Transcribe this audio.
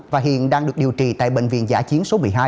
và hiện đang được điều trị tại bệnh viện giả chiến số một mươi hai